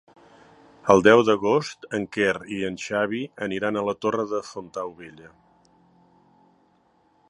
El deu d'agost en Quer i en Xavi aniran a la Torre de Fontaubella.